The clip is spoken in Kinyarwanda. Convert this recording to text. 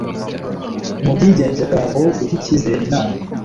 mu bwigenge bwabo guha icyizere inama